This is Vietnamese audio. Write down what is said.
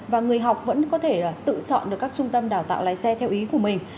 và người học vẫn có thể tự chọn được các trung tâm đào tạo lái xe theo ý của mình